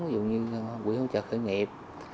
ví dụ như quỹ hỗ trợ khởi nghiệp